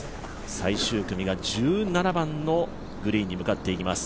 最終組が１７番のグリーンに向かっていきます。